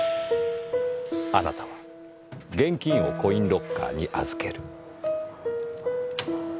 あなたは現金をコインロッカーに預ける。